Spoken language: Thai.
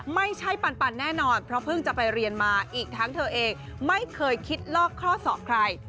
ปันแน่นอนเพราะเพิ่งจะไปเรียนมาอีกทั้งเธอเองไม่เคยคิดลอกข้อสอบใคร